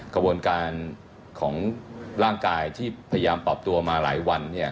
กระบวนการของร่างกายที่พยายามปรับตัวมาหลายวัน